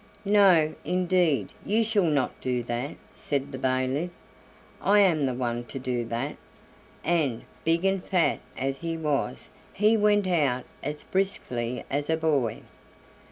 "No, indeed, you shall not do that," said the bailiff; "I am the one to do that." And, big and fat as he was, he went out as briskly as a boy.